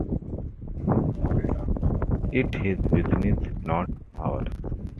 It's his business, not ours.